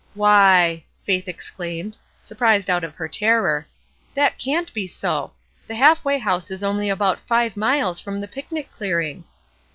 ''Why 1 " Faith exclaimed, surprised out of her terror; ''that can't be so; the Half way House is only about five miles from the picnic clearing."